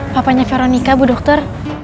papanya veronica bu dokter